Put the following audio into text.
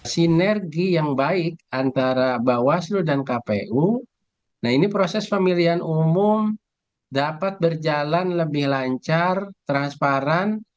sinergi yang baik antara bawaslu dan kpu nah ini proses pemilihan umum dapat berjalan lebih lancar transparan